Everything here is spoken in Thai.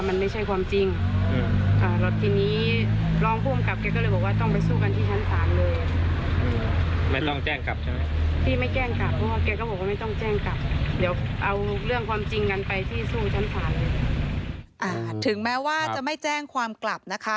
ถึงแม้ว่าจะไม่แจ้งความกลับนะคะ